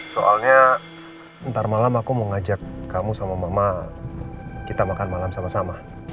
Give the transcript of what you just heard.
soalnya ntar malam aku mau ngajak kamu sama mama kita makan malam sama sama